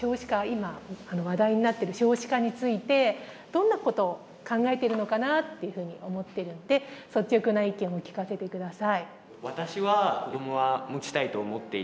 今話題になってる少子化についてどんなことを考えてるのかなっていうふうに思ってるんで率直な意見を聞かせてください。